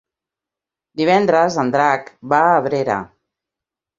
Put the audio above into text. Divendres en Drac va a Abrera.